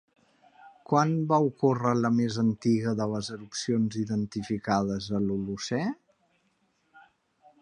Quan va ocórrer la més antiga de les erupcions identificades a l'Holocè?